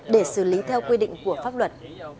để xử lý theo quy định của pháp luật